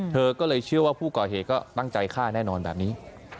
เธอก็เลยเชื่อว่าผู้ก่อเหตุก็ตั้งใจฆ่าแน่นอนแบบนี้